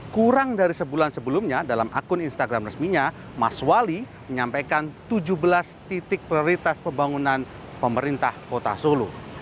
kurang dari sebulan sebelumnya dalam akun instagram resminya mas wali menyampaikan tujuh belas titik prioritas pembangunan pemerintah kota solo